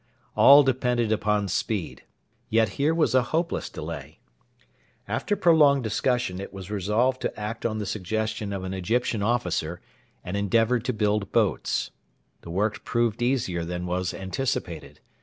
All depended upon speed; yet here was a hopeless delay. After prolonged discussion it was resolved to act on the suggestion of an Egyptian officer and endeavour to build boats. The work proved easier than was anticipated.